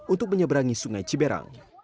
untuk menyeberangi sungai ciberang